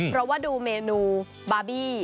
เพราะว่าดูเมนูบาร์บี้